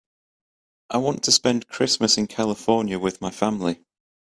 I want to spend Christmas in California with my family.